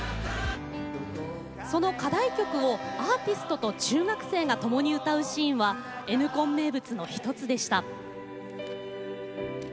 その課題曲をアーティストと中学生がともに歌うシーンはＮコン名物の一つでした。